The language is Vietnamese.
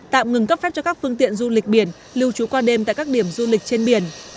tạm ngừng cấp phép cho các phương tiện du lịch biển lưu trú qua đêm tại các điểm du lịch trên biển